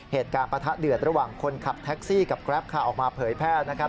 ปะทะเดือดระหว่างคนขับแท็กซี่กับแกรปค่ะออกมาเผยแพร่นะครับ